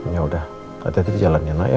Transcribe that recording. ya udah hati hati di jalan ini nak ya